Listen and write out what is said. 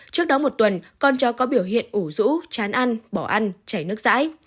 trước đó một tuần con chó có biểu hiện ủ rũ chán ăn bỏ ăn chảy nước rãi